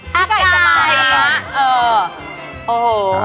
พี่ไก่สมาธินะ